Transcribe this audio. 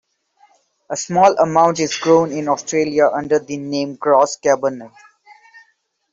A small amount is grown in Australia under the name Gros Cabernet.